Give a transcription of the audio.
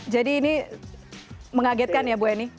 jadi ini mengagetkan ya bu eni